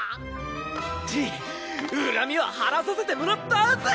くっ恨みは晴らさせてもらったぁぜ！